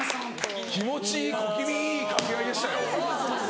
気持ちいい小気味いい掛け合いでしたよ。